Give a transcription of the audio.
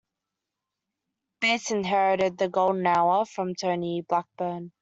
Bates inherited "The Golden Hour" from Tony Blackburn.